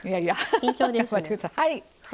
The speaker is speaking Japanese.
緊張ですね。